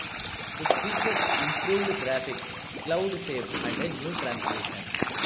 It features improved graphics, cloud saves and a new translation.